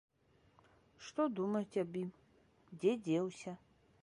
Што думаюць аб ім, дзе дзеўся?